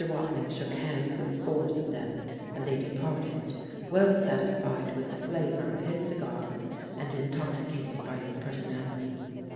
Watling shook hands with scores of them, and they departed, well satisfied with the flavour of his cigars and intoxicated by his personality.